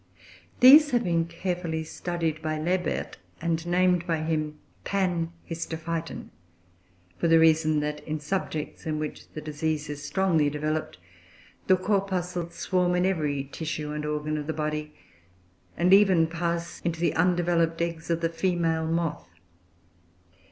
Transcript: These have been carefully studied by Lebert, and named by him Panhistophyton; for the reason that in subjects in which the disease is strongly developed, the corpuscles swarm in every tissue and organ of the body, and even pass into the undeveloped eggs of the female moth.